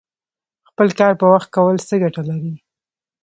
خپل کار په وخت کول څه ګټه لري؟